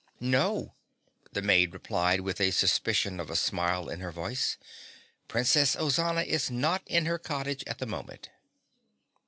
"No," the maid replied with a suspicion of a smile in her voice, "Princess Ozana is not in her cottage at the moment."